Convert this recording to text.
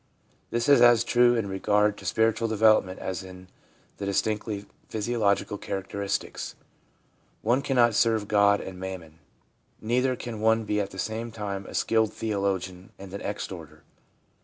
This is as true in regard to spiritual development as in the distinctly physiological character istics. One cannot serve God and mammon. Neither can one be at the same time a skilled theologian and an exhorter.